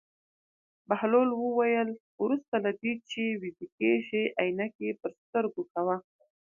بهلول وویل: وروسته له دې چې ویده کېږې عینکې په سترګو کوه.